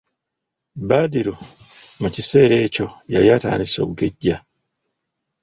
Badru mu kiseera ekyo yali atandise okugejja.